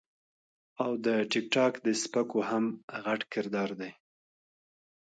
او د ټک ټاک د سپکو هم غټ کردار دے -